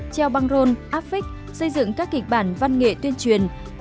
treo băng rôn áp phích xây dựng các kịch bản văn nghệ tuyên truyền